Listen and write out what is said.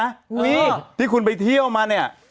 เป็นอย่างนี้ที่คุณไปเที่ยวมานี่